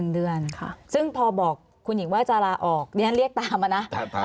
เดือนค่ะซึ่งพอบอกคุณหญิงว่าจะลาออกดิฉันเรียกตามมานะ